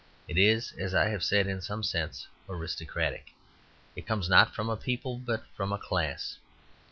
It is, as I have said, in some sense aristocratic; it comes not from a people, but from a class.